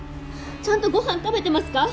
ちゃんとご飯食べてますか？